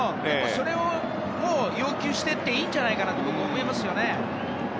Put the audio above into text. それを要求していっていいんじゃないかと思いますね。